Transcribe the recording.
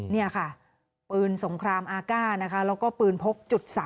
นี่ค่ะปืนสงครามอาก้านะคะแล้วก็ปืนพก๓